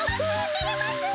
てれます！